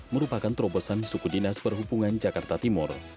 merupakan terobosan suku dinas perhubungan jakarta timur